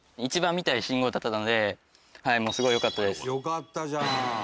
「よかったじゃん」